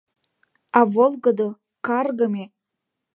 А волгыдо, каргыме...